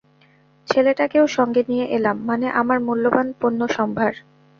ছেলেটাকেও সঙ্গে নিয়ে এলাম, মানে, আমার মূল্যবান পণ্যসম্ভার।